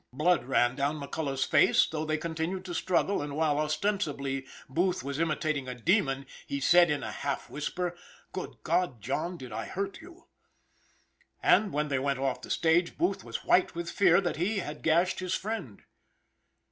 Blood ran down McCullough's face, though they continued to struggle, and while, ostensibly, Booth was imitating a demon, he said in a half whisper: "Good God, John, did I hurt you?" And when they went off the stage, Booth was white with fear that he had gashed his friend.